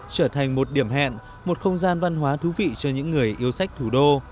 trở thành một điểm hẹn một không gian văn hóa thú vị cho những người yêu sách thủ đô